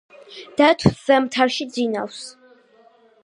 დათვს ზამთარში ძინავს